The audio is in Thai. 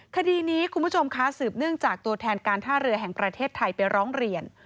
คดีนี้คุณผู้ชมคะสืบเนื่องจากตัวแทนการท่าเรือแห่งประเทศไทยไปร้องเรียน